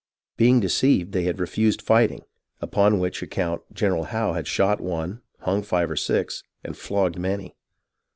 being deceived they had refused fighting, upon which account General Howe had shot one, hung five or six, and flogged many.